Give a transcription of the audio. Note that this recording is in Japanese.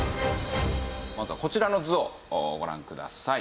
まずはこちらの図をご覧ください。